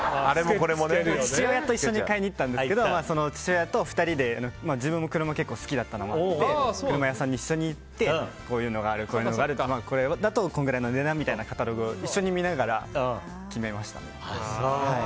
父親と一緒に買いに行ったんですけどその父親と２人で自分も車結構好きなので車屋さんに一緒に行ってこういうのがあるとかこれだとこれくらいの値段みたいに一緒に見ながら決めました。